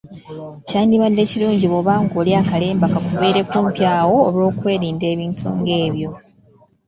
Kyadibadde kirungi bw’oba ng’olya akalemba kakubeere kumpi awo olw’okwerinda ebintu ng’ebyo.